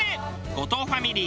後藤ファミリー